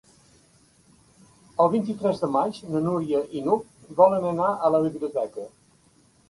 El vint-i-tres de maig na Núria i n'Hug volen anar a la biblioteca.